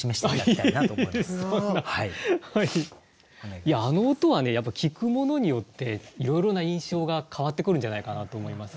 いやあの音はねやっぱ聞く者によっていろいろな印象が変わってくるんじゃないかなと思います。